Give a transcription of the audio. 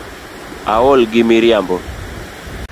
Aol gi miriambo .